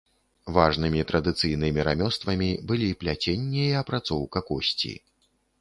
Важнымі традыцыйнымі рамёствамі былі пляценне і апрацоўка косці.